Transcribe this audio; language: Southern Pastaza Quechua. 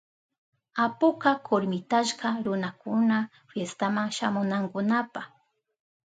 Apuka kurmitashka runakuna fiestama shamunankunapa.